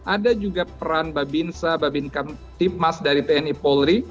ada juga peran babinsa babinkan tipmas dari tni polri